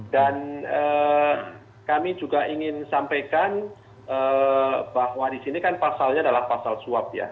dan kami juga ingin sampaikan bahwa disini kan pasalnya adalah pasal suap ya